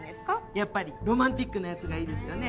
やっぱりロマンチックなやつがいいですよね。